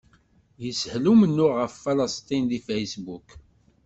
Yeshel umennuɣ ɣef Falesṭin deg Facebook.